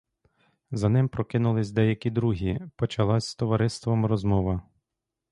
За ним прокинулись деякі другі; почалась з товариством розмова.